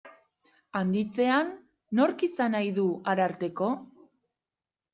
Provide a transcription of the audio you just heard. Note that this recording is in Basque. Handitzean, nork izan nahi du Ararteko?